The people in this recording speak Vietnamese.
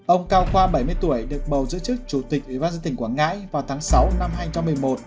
ông cao khoa bảy mươi tuổi được bầu giữ chức chủ tịch ủy ban dân tỉnh quảng ngãi vào tháng sáu năm hai nghìn một mươi một